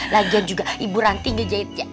lagian juga ibu ranti ngejahitnya